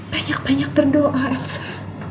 banyak banyak berdoa elsa